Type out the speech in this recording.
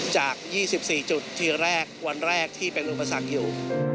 จาก๒๔จุดทีแรกวันแรกที่เป็นอุปสรรคอยู่